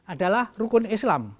adalah rukun islam